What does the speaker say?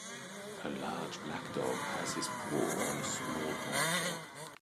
A large black dog has his paw on a small brown dog.